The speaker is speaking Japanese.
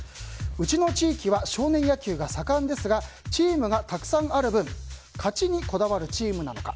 うちの地域は少年野球が盛んですがチームがたくさんある分勝ちにこだわるチームなのか